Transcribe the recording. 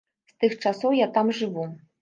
З тых часоў я там жыву.